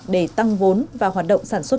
để tăng vốn và hoạt động sản xuất